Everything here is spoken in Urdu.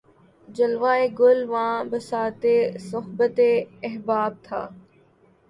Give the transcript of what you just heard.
جلوہٴ گل واں بساطِ صحبتِ احباب تھا